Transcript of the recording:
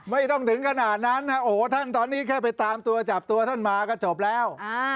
ไม่ต้องถึงขนาดนั้นโอ้โหท่านตอนนี้แค่ไปตามตัวจับตัวท่านมาก็จบแล้ว